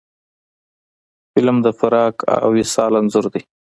فلم د فراق او وصال انځور دی